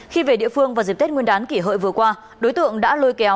khi về địa phương vào dịp tết nguyên đán kỷ hợi vừa qua đối tượng đã lôi kéo